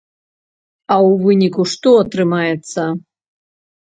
А ў выніку што атрымаецца?